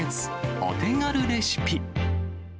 お手軽レシピ。